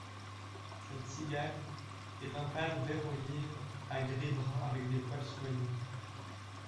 Cette cigale est d'un pâle vert-olive à gris brun avec des poils soyeux.